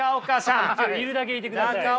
いるだけいてください。